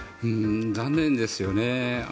残念ですよね。